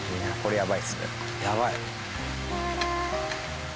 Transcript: やばい。